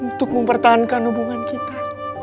untuk mempertahankan hubungan kita